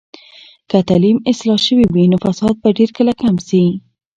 که تعلیم اصلاح شوي وي، نو فساد به ډیر کله کم شي.